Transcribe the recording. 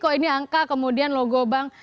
kok ini angka kemudian logo bank